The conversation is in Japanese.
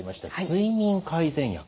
睡眠改善薬。